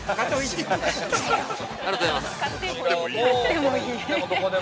◆ありがとうございます。